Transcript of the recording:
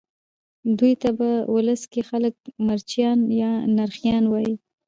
دوی ته په ولس کې خلک مرکچیان یا نرخیان وایي.